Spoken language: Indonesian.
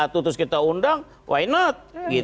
terus kita undang why not